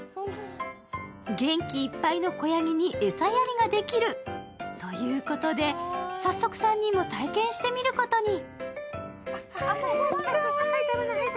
元気いっぱいの子やぎに餌やりができるということで、早速３人も体験してみることに。